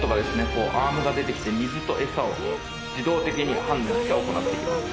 こうアームが出てきて水とエサを自動的に判断して行っていきます。